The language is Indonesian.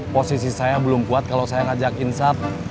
posisi saya belum kuat kalau saya ngajak insat